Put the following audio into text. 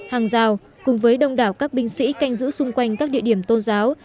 hàng rào cùng với đông đảo các binh sĩ canh giữ xung quanh các địa điểm tôn giáo